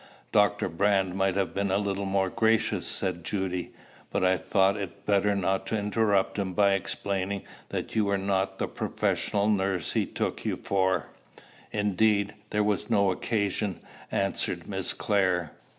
"Dr. Brand might have been a little more gracious," said Judy; "but I thought it better not to interrupt him by explaining that you were not the professional nurse he took you for." "Indeed, there was no occasion," answered Miss Clare.